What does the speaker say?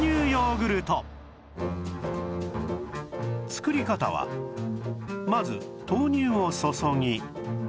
作り方はまず豆乳を注ぎ